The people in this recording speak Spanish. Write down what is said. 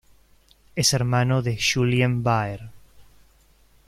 Es hermano de Julien Baer.